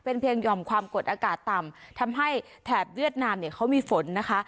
เป็นเพียงห่อมความกดอากาศต่ำทำให้แถบเวียดนามเนี่ยเขามีฝนนะคะ